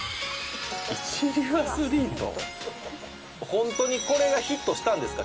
「ホントにこれがヒットしたんですか？